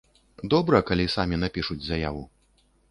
Добра, калі самі напішуць заяву.